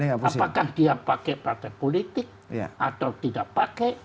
apakah dia pakai partai politik atau tidak pakai